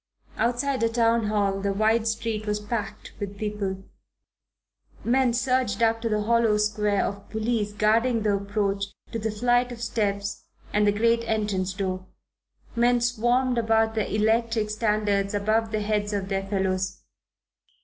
Outside the Town Hall the wide street was packed with people. Men surged up to the hollow square of police guarding the approach to the flight of steps and the great entrance door. Men swarmed about the electric standards above the heads of their fellows.